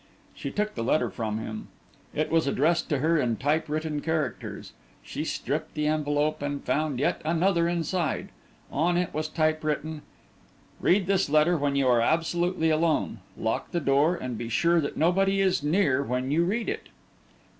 She took the letter from him. It was addressed to her in typewritten characters. She stripped the envelope and found yet another inside. On it was typewritten: "Read this letter when you are absolutely alone. Lock the door and be sure that nobody is near when you read it."